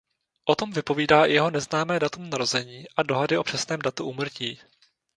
O tom vypovídá i jeho neznámé datum narození a dohady o přesném datu úmrtí.